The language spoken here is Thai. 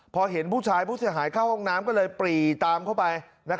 พอเห็นผู้ชายผู้เสียหายเข้าห้องน้ำก็เลยปรีตามเข้าไป